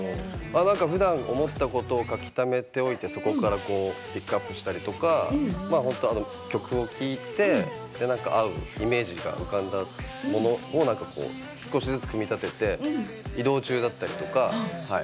普段思ったことを書き溜めておいて、そこからピックアップしたりとか、曲を聴いて合うイメージが浮かんだと思うものを少しずつ組み立てて、移動中だったりとか、はい。